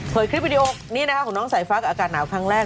คลิปวิดีโอนี้นะคะของน้องสายฟ้ากับอากาศหนาวครั้งแรก